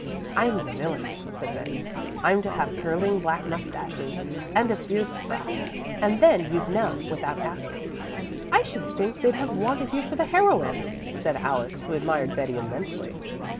"I'm the villain," said Betty. "I'm to have curling black mustaches and a fierce frown, and then you'd know without asking." "I should think they'd have wanted you for the heroine," said Alice, who admired Betty immensely.